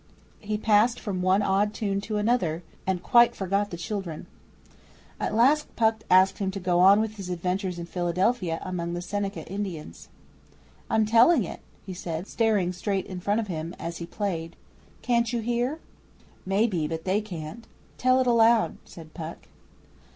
He passed from one odd tune to another, and quite forgot the children. At last Puck asked him to go on with his adventures in Philadelphia and among the Seneca Indians. 'I'm telling it,' he said, staring straight in front of him as he played. 'Can't you hear?' 'Maybe, but they can't. Tell it aloud,' said Puck.